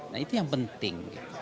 nah itu yang penting